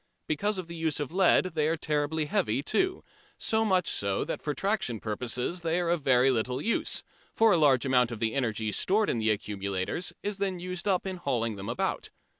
Because of the use of lead they are terribly heavy too, so much so that for traction purposes they are of very little use, for a large amount of the energy stored in the accumulators is then used up in hauling them about.